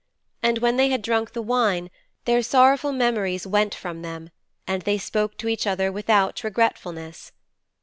And when they had drunk the wine their sorrowful memories went from them, and they spoke to each other without regretfulness.